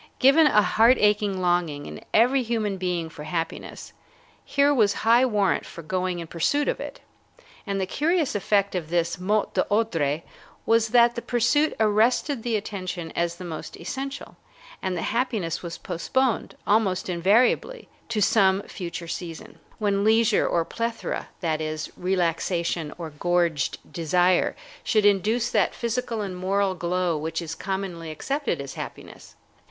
Given a heart aching longing in every human being for happiness, here was high warrant for going in pursuit of it. And the curious effect of this 'mot d'ordre' was that the pursuit arrested the attention as the most essential, and the happiness was postponed, almost invariably, to some future season, when leisure or plethora, that is, relaxation or gorged desire, should induce that physical and moral glow which is commonly accepted as happiness.